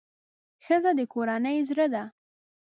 ښځه د کورنۍ زړه ده.